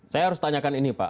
saya harus tanyakan ini pak